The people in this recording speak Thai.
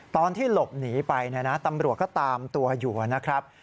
ตอนที่หลบหนีไปตำรวจก็ตามตัวอยู่นะครับ